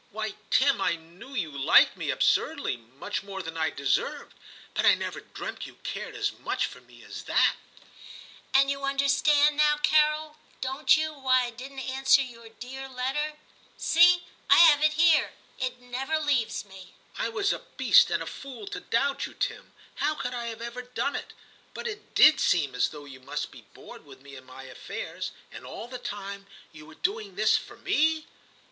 * Why, Tim, I knew you liked me absurdly, much more than I deserved, but I never dreamt you cared as much for me as that/ 'And you understand now, Carol, don't you, why I didn't answer your dear letter ? See, I have it here ; it never leaves me.' * I was a beast and a fool to doubt you, Tim. How could I ever have done it ? but it did seem as though you must be bored with me and my affairs. And all the time you were doing this for me